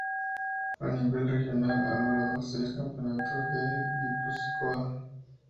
A nivel regional, ha logrado seis Campeonatos de Guipúzcoa.